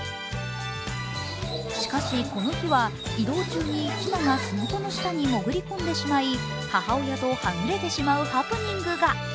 しかし、この日は、移動中にひながすのこの下に潜り込んでしまい母親とはぐれてしまうハプニングが。